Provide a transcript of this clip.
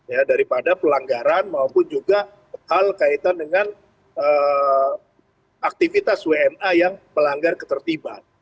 ya daripada pelanggaran maupun juga hal kaitan dengan aktivitas wna yang melanggar ketertiban